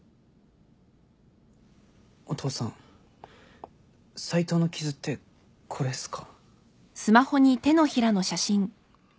お父さん斉藤の傷ってこれっすか？